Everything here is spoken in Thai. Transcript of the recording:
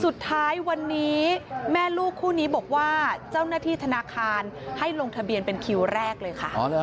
สุดท้ายวันนี้แม่ลูกคู่นี้บอกว่าเจ้าหน้าที่ธนาคารให้ลงทะเบียนเป็นคิวแรกเลยค่ะ